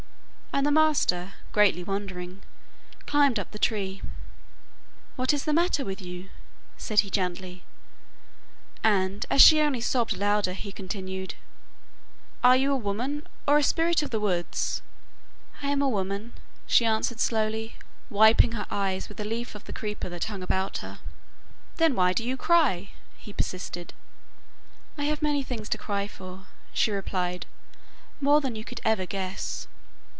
And the master, greatly wondering, climbed up the tree. 'What is the matter with you?' said he gently, and, as she only sobbed louder, he continued: 'Are you a woman, or a spirit of the woods?' 'I am a woman,' she answered slowly, wiping her eyes with a leaf of the creeper that hung about her. 'Then why do you cry?' he persisted. 'I have many things to cry for,' she replied, 'more than you could ever guess.